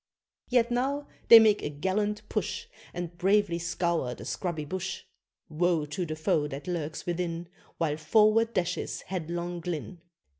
Yet now they make a gallant push, And bravely scour the scrubby bush. Woe to the foe that lurks within, While forward dashes headlong Glynn.